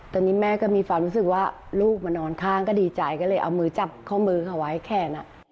ตอนนี้แม่ก็มีความรู้สึกว่าลูกมานอนข้างก็ดีใจก็เลยเอามือจับข้อมือเขาไว้แขน